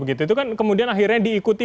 itu kan kemudian akhirnya diikuti